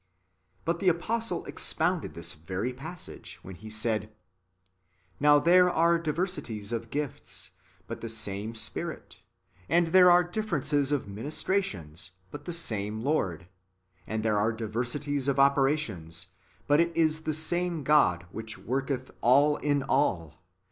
^ But the apostle expounded this very passage, when he said, " Now there are diversities of gifts, but the same Spirit; and there are differences of ministrations, but the same Lord; and there are diversities of operations, but it is the same God whicli workcth all in all.